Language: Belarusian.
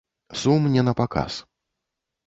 Сум не на паказ.